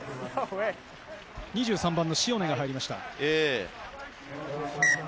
２３番のシオネが入りました。